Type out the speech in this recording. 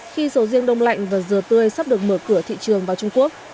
khi sầu riêng đông lạnh và dừa tươi sắp được mở cửa thị trường vào trung quốc